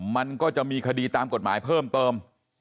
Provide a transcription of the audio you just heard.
มันก็จะมีคดีตามกฎหมายเพิ่มเติม